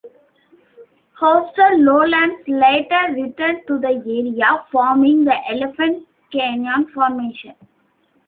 Coastal lowlands later returned to the area, forming the Elephant Canyon Formation.